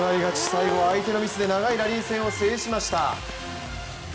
最後は相手のミスで長いラリー戦を制しました。